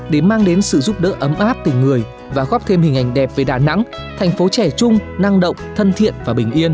để mang đến sự giúp đỡ ấm áp tình người và góp thêm hình ảnh đẹp về đà nẵng thành phố trẻ chung năng động thân thiện và bình yên